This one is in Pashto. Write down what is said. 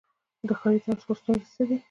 د ښاري ټرانسپورټ ستونزې څه دي؟